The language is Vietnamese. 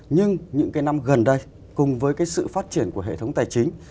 nhưng những cái năm gần đây cùng với cái sự phát triển của hệ thống tài chính